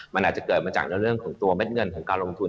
มันอาจจะเกิดมาจากในเรื่องของตัวเม็ดเงินของการลงทุน